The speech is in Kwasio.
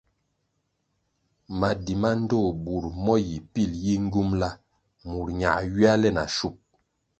Madi ma ndtoh bur mo yi pil yi ngyumbʼla murʼ ñā ywia le na shub.